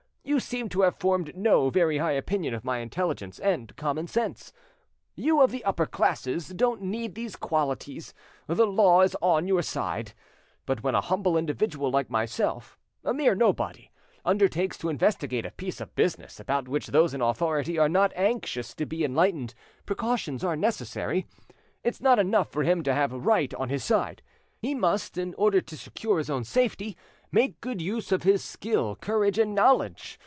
You seem to have formed no very high opinion of my intelligence and common sense. You of the upper classes don't need these qualities, the law is on, your side. But when a humble individual like myself, a mere nobody, undertakes to investigate a piece of business about which those in authority are not anxious to be enlightened, precautions are necessary. It's not enough for him to have right on his side, he must, in order to secure his own safety, make good use of his skill, courage, and knowledge.